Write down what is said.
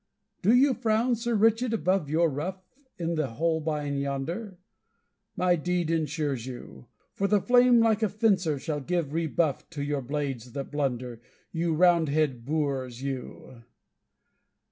Do you frown, Sir Richard, above your ruff, In the Holbein yonder? My deed ensures you! For the flame like a fencer shall give rebuff To your blades that blunder, you Roundhead boors, you!